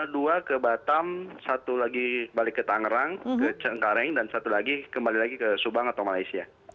dua ke batam satu lagi balik ke tangerang ke cengkareng dan satu lagi kembali lagi ke subang atau malaysia